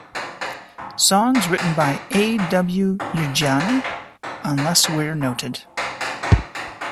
Songs written by A. W. Yrjänä, unless where noted.